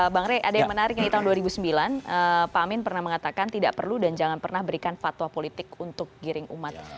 bang rey ada yang menarik yang di tahun dua ribu sembilan pak amin pernah mengatakan tidak perlu dan jangan pernah berikan fatwa politik untuk giring umat